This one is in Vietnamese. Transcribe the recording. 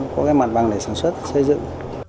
có cái mặt bằng để sản xuất xây dựng